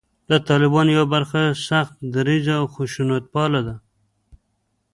د طالبانو یوه برخه سخت دریځه او خشونتپاله ده